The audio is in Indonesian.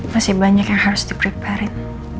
masih banyak yang harus di preparet